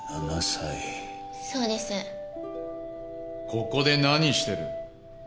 ここで何してる？